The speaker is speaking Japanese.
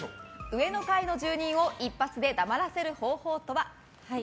上の階の住人を一発で黙らせる方法とは？